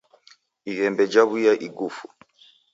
Ighembe jadaw'uya igufu.